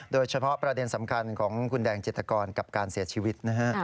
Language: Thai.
โดยเฉพาะประเด็นสำคัญของคุณแดงจิตกรกับการเสียชีวิตนะฮะ